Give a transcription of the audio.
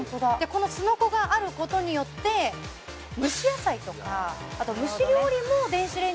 このすのこがあることによって蒸し野菜とかあと蒸し料理も電子レンジで作ることができる